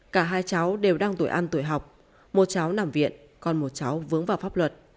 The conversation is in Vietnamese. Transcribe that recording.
cả hai cháu đều đang tuổi ăn tuổi học một cháu nằm viện còn một cháu vướng vào pháp luật